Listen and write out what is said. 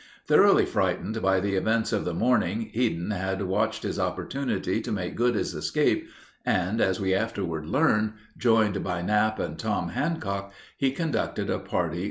Thoroughly frightened by the events of the morning, Headen had watched his opportunity to make good his escape, and, as we afterward learned, joined by Knapp and Tom Handcock, he conducted a party safely to Tennessee.